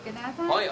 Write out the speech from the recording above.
はい。